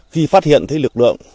khi phát hiện thấy lực lượng